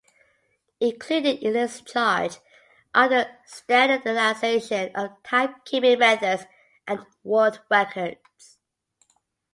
Included in its charge are the standardization of timekeeping methods and world records.